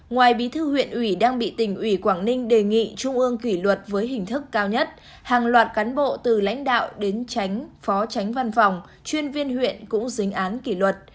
ngoài bí thư huyện ủy đang bị tỉnh ủy quảng ninh đề nghị trung ương kỷ luật với hình thức cao nhất hàng loạt cán bộ từ lãnh đạo đến tránh phó tránh văn phòng chuyên viên huyện cũng dính án kỷ luật